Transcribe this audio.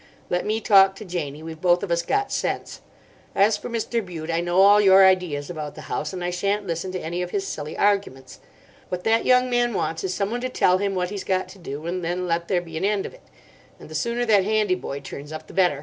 Let me talk to Janie. We've both of us got sense. As for Mr. Bute, I know all your ideas about the house, and I sha'n't listen to any of his silly arguments. What that young man wants is someone to tell him what he's got to do, and then let there be an end of it. And the sooner that handy boy turns up the better.